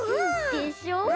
でしょ？